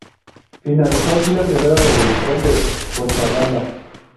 Finalizó así la primera Revolución de Cochabamba.